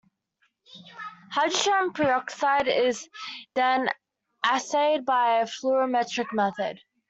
Hydrogen peroxide is then assayed by a fluorimetric method.